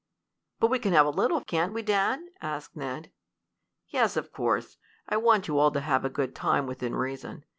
"But we can have a little; can't we, Dad?" asked Ned. "Yes, of course. I want you all to have a good time within reason.